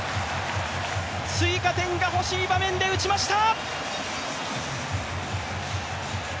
追加点が欲しい場面で打ちました。